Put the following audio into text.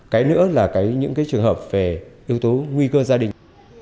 cái nữa là những cái trường hợp về yếu tố nguy cơ gia đình